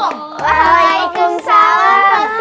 waalaikumsalam pak siti